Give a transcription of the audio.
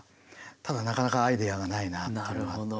ただなかなかアイデアがないなっていうのがあって。